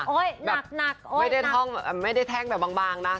หนักไม่ได้ท่องไม่ได้แท่งแบบบางนะ